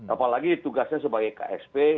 apalagi tugasnya sebagai ksp